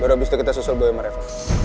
baru abis itu kita susul boy sama reva